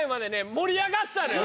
盛り上がってたのよ。